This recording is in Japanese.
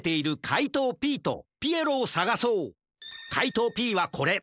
かいとうＰはこれ。